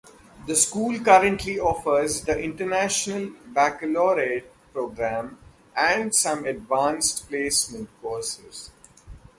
The school currently offers the International Baccalaureate program, and some Advanced Placement courses.